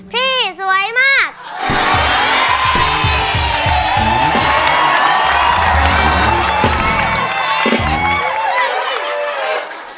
พี่สวยมาก